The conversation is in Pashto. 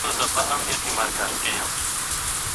ایا استاد د دې موضوع په اړه پوره معلومات ورکړي دي؟